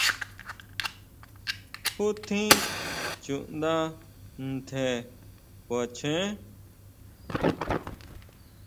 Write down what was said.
¿Jutjín chuʼnda ntje kuachen?